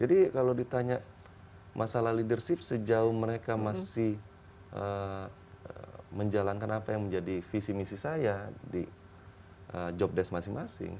jadi kalau ditanya masalah leadership sejauh mereka masih eee menjalankan apa yang menjadi visi misi saya di job desk masing masing